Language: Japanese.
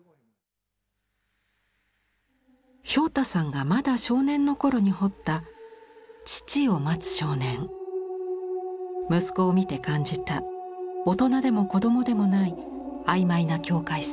俵太さんがまだ少年の頃に彫った息子を見て感じた大人でも子供でもない曖昧な境界線。